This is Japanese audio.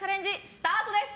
スタートです。